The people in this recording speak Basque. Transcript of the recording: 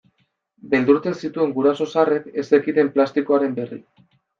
Beldurtzen zituen guraso zaharrek ez zekiten plastikoaren berri.